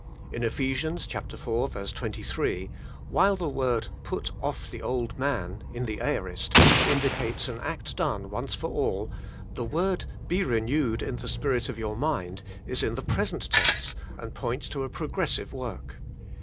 '' In Ephe sians iv. 23, while the word "put off the old man" (in the aorist) indicates an act done once for all, the word, "Be Renewed in the Spirit OF Your Mind" is in the present tense, and points to a progressive work.